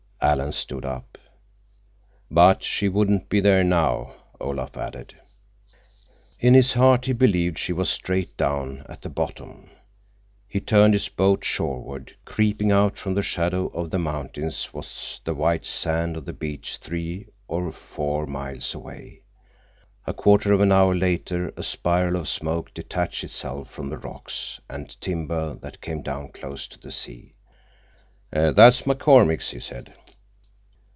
Alan stood up. "But she wouldn't be there now," Olaf added. In his heart he believed she was, straight down—at the bottom. He turned his boat shoreward. Creeping out from the shadow of the mountains was the white sand of the beach three or four miles away. A quarter of an hour later a spiral of smoke detached itself from the rocks and timber that came down close to the sea. "That's McCormick's," he said.